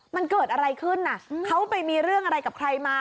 มันเกิดอะไรขึ้นน่ะเขาไปมีเรื่องอะไรกับใครมา